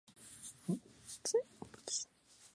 Además, ha estado a cargo de la presentación de eventos.